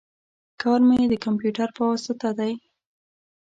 کار می د کمپیوټر په واسطه دی